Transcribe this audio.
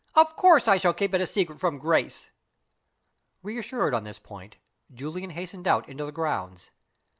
Of course I shall keep it a secret from Grace!" Re assured on this point, Julian hastened out into the grounds.